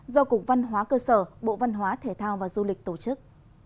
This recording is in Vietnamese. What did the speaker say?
do cục văn hóa cơ sở bộ văn hóa thể thao và du lịch tổ chức